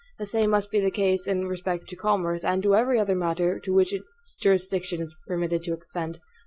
The same must be the case in respect to commerce, and to every other matter to which its jurisdiction is permitted to extend.